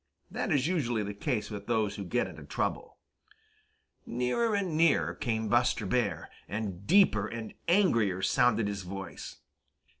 That is usually the case with those who get into trouble. Nearer and nearer came Buster Bear, and deeper and angrier sounded his voice.